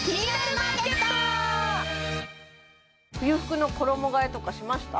冬服の衣がえとかしました？